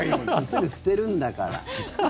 すぐ捨てるんだから。